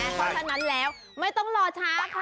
เพราะฉะนั้นแล้วไม่ต้องรอช้าค่ะ